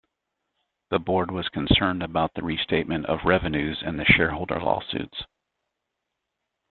The board was concerned about the restatement of revenues and the shareholder lawsuits.